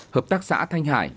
hợp tác xã thanh hải